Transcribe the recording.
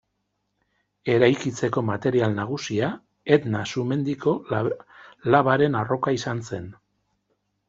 Eraikitzeko material nagusia Etna sumendiko labaren arroka izan zen.